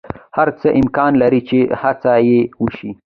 هر څه امکان لری چی هڅه یی وشی